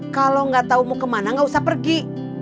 kalau gak tau mau kemana gak usah pergi